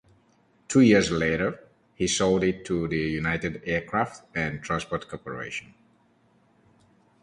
Two years later, he sold it to the United Aircraft and Transport Corporation.